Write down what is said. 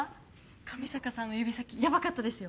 上坂さんの指先ヤバかったですよ。